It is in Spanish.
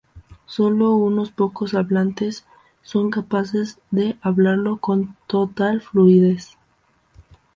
Sólo unos pocos hablantes son capaces de hablarlo con total fluidez.